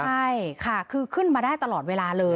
ใช่ค่ะคือขึ้นมาได้ตลอดเวลาเลย